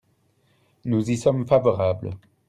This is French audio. Nous y sommes favorables.